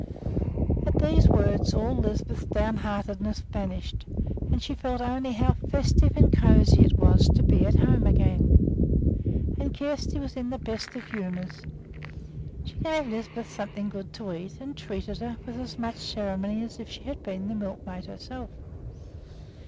At these words all Lisbeth's downheartedness vanished, and she felt only how festive and cozy it was to be at home again. And Kjersti was in the best of humors. She gave Lisbeth something good to eat, and treated her with as much ceremony as if she had been the milkmaid herself.